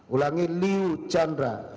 ulangi liu chandra